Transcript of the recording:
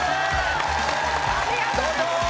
ありがとうございます！